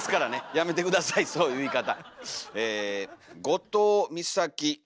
やめて下さいそういう言い方。